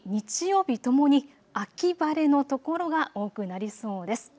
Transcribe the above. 土曜日、日曜日ともに秋晴れの所が多くなりそうです。